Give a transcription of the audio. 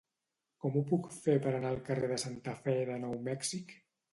Com ho puc fer per anar al carrer de Santa Fe de Nou Mèxic?